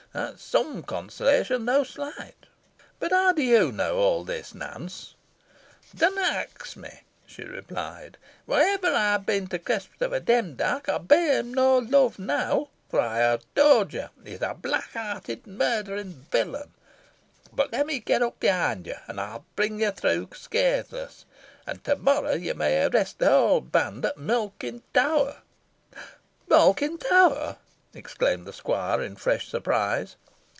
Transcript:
That is some consolation, though slight. But how do you know all this, Nance?" "Dunna ax me," she replied. "Whatever ey ha' been to Christopher Demdike, ey bear him neaw love now; fo', as ey ha towd yo, he is a black hearted murtherin' villain. Boh lemme get up behind yo, an ey'n bring yo through scatheless. An to morrow yo may arrest the whole band at Malkin Tower." "Malkin Tower!" exclaimed the squire, in fresh surprise.